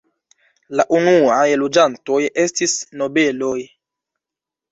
La unuaj loĝantoj estis nobeloj.